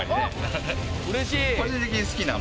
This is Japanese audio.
うれしい！